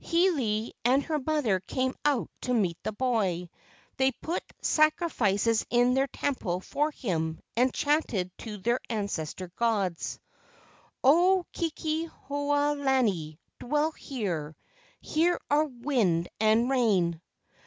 Hiilei and her mother came out to meet the boy. They put sacrifices in their temple for him and chanted to their ancestor gods: "O Keke hoa lani, dwell here; Here are wind and rain."